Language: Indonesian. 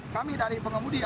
kami dari pengemudi